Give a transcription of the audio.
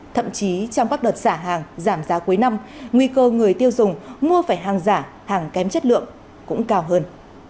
thậm chí trong các đợt xả hàng giảm giá cuối năm nguy cơ người tiêu dùng mua phải hàng giả hàng kém chất lượng cũng cao hơn